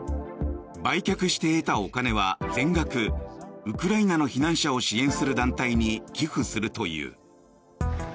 売却して得たお金は全額ウクライナの避難者を支援する団体に寄付するという。